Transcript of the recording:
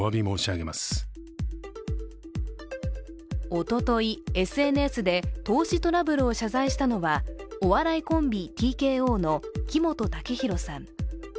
おとといＳＮＳで投資トラブルを謝罪したのは、お笑いコンビＴＫＯの木本武宏さん。